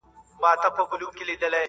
نه په بګړۍ نه په تسپو نه په وینا سمېږي!